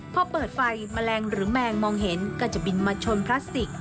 พอเปิดไฟแมลงหรือแมงมองเห็นก็จะบินมาชนพลาสติก